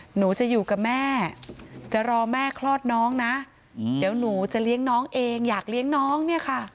หนูจะอยู่กับแม่จะรอแม่คลอดน้องนะเดี๋ยวหนูจะเลี้ยงน้องเองอยากเลี้ยงน้องเนี่ยค่ะ